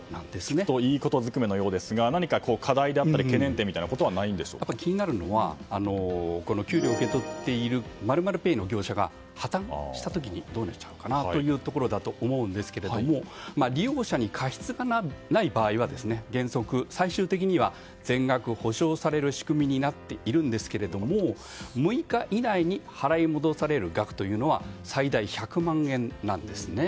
聞くといいこと尽くめのようですが何か課題だったり懸念点みたいなことは気になるのは給料を受け取っている○○Ｐａｙの業者が破綻した時にどうなっちゃうのかというところですが利用者に過失がない場合は原則、最終的には全額補償される仕組みになっているんですが６日以内に払い戻される額というのは最大１００万円なんですね。